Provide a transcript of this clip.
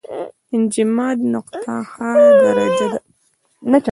انجماد نقطه هغه درجه ده چې مایع په جامد بدلوي.